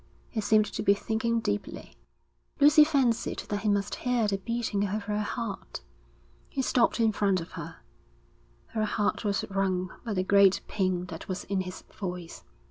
He seemed to be thinking deeply. Lucy fancied that he must hear the beating of her heart. He stopped in front of her. Her heart was wrung by the great pain that was in his voice.